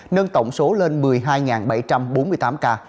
nâng tổng số lên một mươi hai bảy trăm bốn mươi tám ca